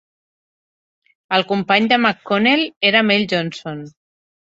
El company de McConnell era Mel Johnson.